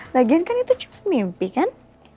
lagian kan itu cuma mimpi kan